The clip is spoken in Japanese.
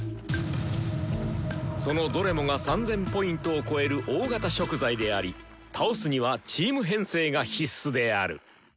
そのどれもが３０００Ｐを超える大型食材であり倒すにはチーム編成が必須である！